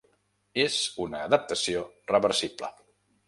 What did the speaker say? És una adaptació reversible.